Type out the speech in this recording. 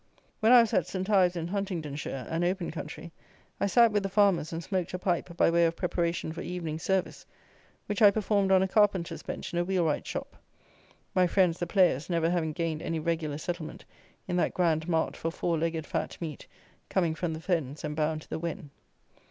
When I was at St. Ives, in Huntingdonshire, an open country, I sat with the farmers, and smoked a pipe by way of preparation for evening service, which I performed on a carpenter's bench in a wheelwright's shop; my friends, the players, never having gained any regular settlement in that grand mart for four legged fat meat, coming from the Fens, and bound to the Wen.